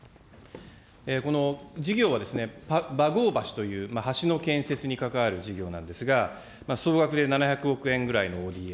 この事業は、バゴー橋という橋の建設に関わる事業なんですが、総額で７００億円ぐらいのＯＤＡ。